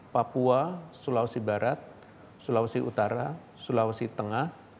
papua sulawesi barat sulawesi utara sulawesi tengah